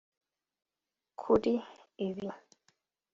Kuri ibi